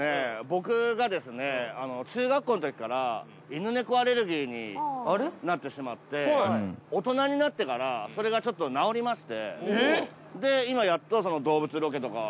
僕がですね中学校の時から犬・猫アレルギーになってしまって大人になってからそれがちょっと治りまして。